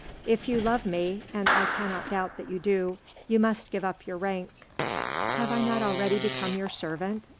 If you love me and I cannot doubt that you do you must give up your rank." "Have I not already become your servant?